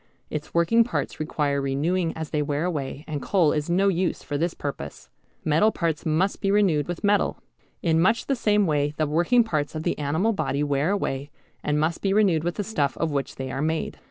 Its working parts require renewing as they wear away, and coal is no use for this purpose. Metal parts must be renewed with metal. In much the same way the working parts of the animal body wear away, and must be renewed with the stuff of which they are made.